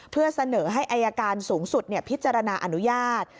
เพื่อเสนอให้อายการสูงสุดพิจารณาอนุญาต